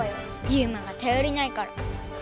ユウマがたよりないから。